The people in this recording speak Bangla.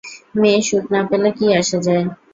মেয়ে সুখ না পেলে কী আসে যায়?